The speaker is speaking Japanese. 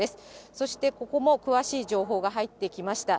そしてここも詳しい情報が入ってきました。